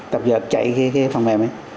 tập vật chạy cái phần mềm ấy